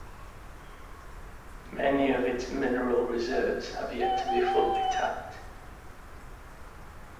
Many of its mineral reserves have yet to be fully tapped.